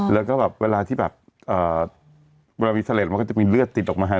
เราก็แบบเวลามีเสร็จมีเลือดติดออกมาแล้ว